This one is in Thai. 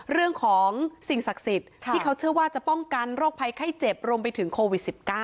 เรื่องของสิ่งศักดิ์สิทธิ์ที่เขาเชื่อว่าจะป้องกันโรคภัยไข้เจ็บรวมไปถึงโควิด๑๙